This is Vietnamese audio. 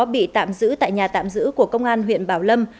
an nó bị tạm giữ tại nhà tạm giữ của công an huyện bảo lâm